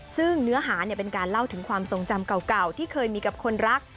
ซึ่งเนื้อหาเป็นการเล่าถึงความทรงจำเก่าที่เคยมีกับคนรัก